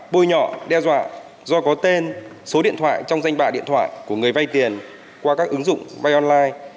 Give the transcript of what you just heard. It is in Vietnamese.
bôi nhọ đe dọa do có tên số điện thoại trong danh bạ điện thoại của người vay tiền qua các ứng dụng bay online